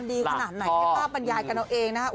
ดีขนาดไหนให้ต้อบบรรยายกันเอาเองนะ